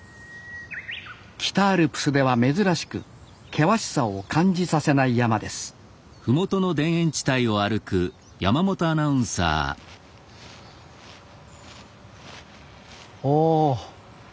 北アルプスでは珍しく険しさを感じさせない山ですおお。